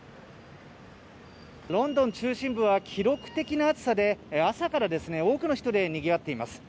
ロンドン中心部は記録的な暑さで朝から多くの人でにぎわっています。